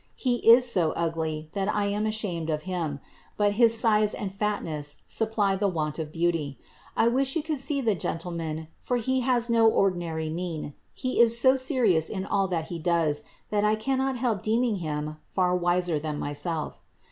He is so ugly, that I am aMiained of him ; but his iiie and fatness supply the want of beauty. 1 wish you could see the gentltmmn, §n he has no ordinary mien ; he is so serious in all that be does, that I caonot help deeming him far wiser than myself.